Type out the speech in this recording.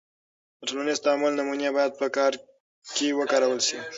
د ټولنیز تعامل نمونې باید په کار کې وکارول سي.